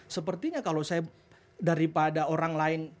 sepertinya kalau saya daripada orang lain